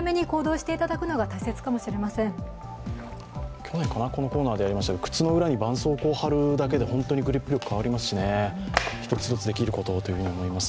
去年かな、このコーナーでやりましたけれども、靴の裏にばんそうこうを貼るだけでグリップ力が変わりますし一つずつできることをと思います。